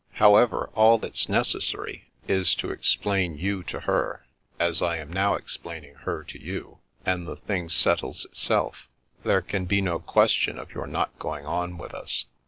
However, all that's necessary is to ex plain you to her, as I am now explaining her to you, and the thing settles itself. There can be no question of your not going on with us.